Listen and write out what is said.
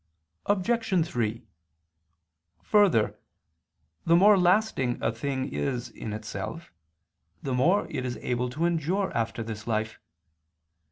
Obj. 3: Further, the more lasting a thing is in itself, the more is it able to endure after this life.